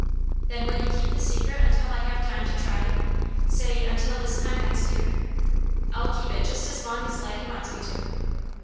"Then will you keep the secret until I have time to try say until this time next year?" "I'll keep it just as long as Laddie wants me to."